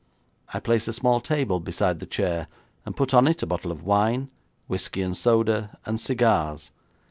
I place a small table beside the chair, and put on it a bottle of wine, whisky and soda, and cigars.